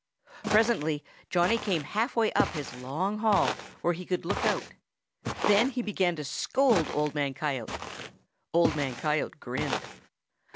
Presently Johnny came half way up his long hall where he could look out. Then he began to scold Old Man Coyote. Old Man Coyote grinned.